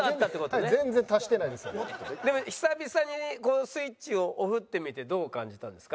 でも久々にこのスイッチをオフってみてどう感じたんですか？